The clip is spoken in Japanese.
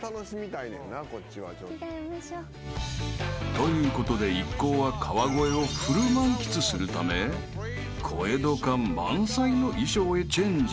［ということで一行は川越をフル満喫するため小江戸感満載の衣装へチェンジ］